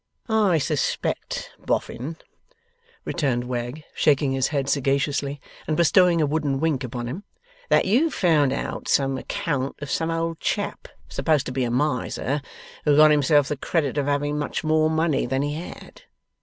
'I suspect, Boffin,' returned Wegg, shaking his head sagaciously, and bestowing a wooden wink upon him, 'that you've found out some account of some old chap, supposed to be a Miser, who got himself the credit of having much more money than he had.